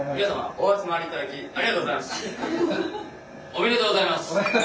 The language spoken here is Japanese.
おめでとうございます。